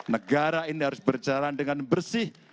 negara ini harus berjalan dengan bersih